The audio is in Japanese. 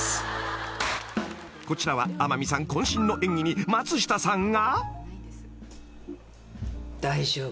［こちらは天海さん渾身の演技に松下さんが］